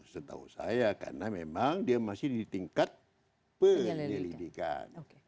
setahu saya karena memang dia masih di tingkat penyelidikan